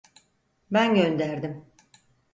Ben gönderdim.